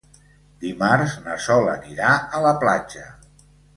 Dimarts na Sol anirà a la platja.